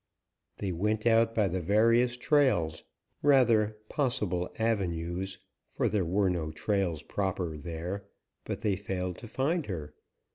They went out by the various trails rather possible avenues, for there were no trails proper there, but they failed to find her.